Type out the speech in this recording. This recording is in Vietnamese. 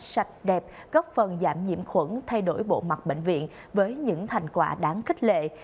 sạch đẹp góp phần giảm nhiễm khuẩn thay đổi bộ mặt bệnh viện với những thành quả đáng khích lệ